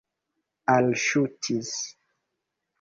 alŝutis